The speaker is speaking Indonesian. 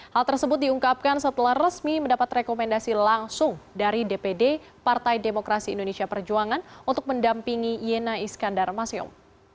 hal tersebut diungkapkan setelah resmi mendapat rekomendasi langsung dari dpd partai demokrasi indonesia perjuangan untuk mendampingi yena iskandar masyung